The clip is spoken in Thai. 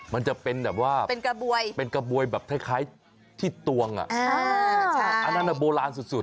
มันจะเป็นแบบว่าเป็นกระบวยแบบคล้ายที่ตวงอันนั้นโบราณสุด